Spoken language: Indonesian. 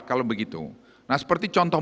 kalau begitu nah seperti contoh